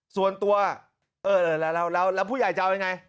ส่วนตัวเออแล้วผู้ใหญ่จะเอายังไง